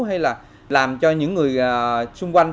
hay là làm cho những người xung quanh